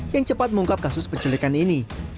yang cepat mengungkap kasus penculikan ini